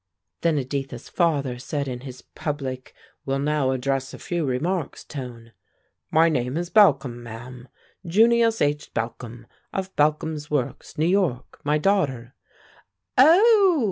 Then Editha's father said in his public will now address a few remarks tone, "My name is Balcom, ma'am; Junius H. Balcom, of Balcom's Works, New York; my daughter " "Oh!"